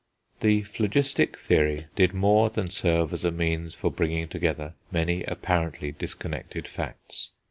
The phlogistic theory did more than serve as a means for bringing together many apparently disconnected facts.